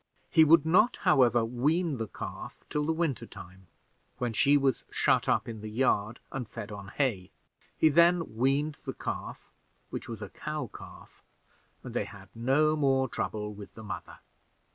He would not, however, wean the calf till the winter time, when she was shut up in the yard and fed on hay. He then weaned the calf, which was a cow calf, and they had no more trouble with the mother.